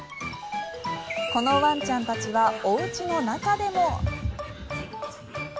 このワンちゃんたちはおうちの中でも。